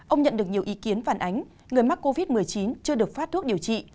ông nhận được nhiều ý kiến phản ánh người mắc covid một mươi chín chưa được phát thuốc điều trị